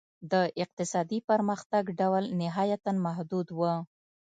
د اقتصادي پرمختګ ډول نهایتاً محدود و.